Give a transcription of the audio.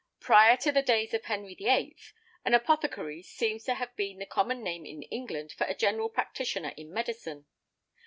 Prior to the days of Henry VIII. an apothecary seems to have been the common name in England for a general practitioner in medicine.